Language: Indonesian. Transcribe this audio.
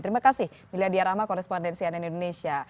terima kasih mila dya rahma korrespondensi ann indonesia